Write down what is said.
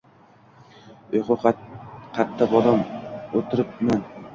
—Uyqu qatta, bolam? O'o'tiribman.